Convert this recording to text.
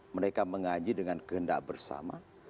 mereka mengaji dengan kehendak bersama